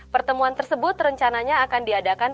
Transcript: pertemuan tersebut rencananya akan diadakan